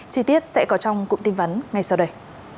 chi tiết sẽ có trong cụm tin vắn ngay sau đây